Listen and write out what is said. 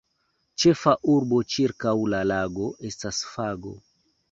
Ĉefa arbo ĉirkaŭ la lago estas fago.